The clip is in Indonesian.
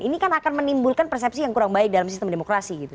ini kan akan menimbulkan persepsi yang kurang baik dalam sistem demokrasi gitu